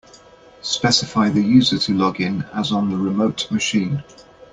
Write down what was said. Specify the user to log in as on the remote machine.